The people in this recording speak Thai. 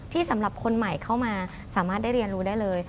สำหรับคนใหม่เข้ามาสามารถได้เรียนรู้ได้เลย